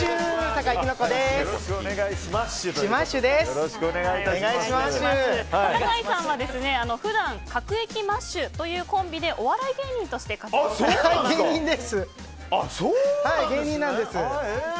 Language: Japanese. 坂井さんは普段各駅マッシュというコンビでお笑い芸人として芸人なんです。